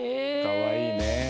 かわいいね。